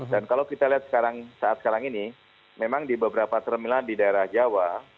dan kalau kita lihat saat sekarang ini memang di beberapa terminal di daerah jawa